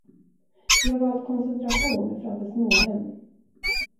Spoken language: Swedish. Vi har valt koncentration framför småhem.